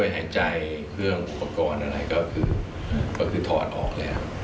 แม่ก็คือถอดออกแล้ว